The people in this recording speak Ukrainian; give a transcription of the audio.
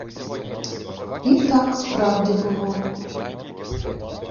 І так справді було.